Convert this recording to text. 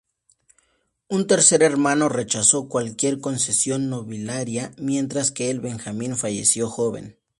Un tercer hermano rechazó cualquier concesión nobiliaria, mientras que el benjamín falleció joven.